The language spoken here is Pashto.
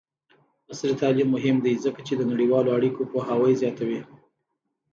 عصري تعلیم مهم دی ځکه چې د نړیوالو اړیکو پوهاوی زیاتوي.